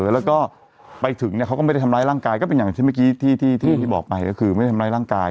แล้วก็ไปถึงเนี่ยเขาก็ไม่ได้ทำร้ายร่างกายก็เป็นอย่างที่เมื่อกี้ที่บอกไปก็คือไม่ได้ทำร้ายร่างกาย